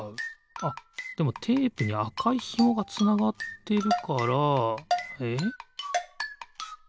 あっでもテープにあかいひもがつながってるからえっ？